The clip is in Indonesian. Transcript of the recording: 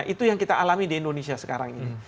itu yang kita alami di indonesia sekarang ini